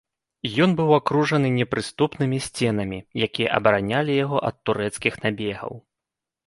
Ён быў акружаны непрыступнымі сценамі, якія абаранялі яго ад турэцкіх набегаў.